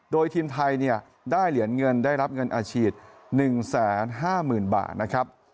โดยทีมไทยได้เหรียญเงินได้รับเงินอาชีพ๑๕๐๐๐บาทนะครับ